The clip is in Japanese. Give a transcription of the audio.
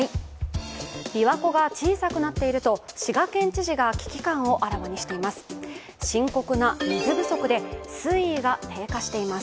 琵琶湖が小さくなっていると滋賀県知事が危機感をあらわにしています。